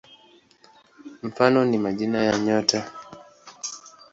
Mfano ni majina ya nyota.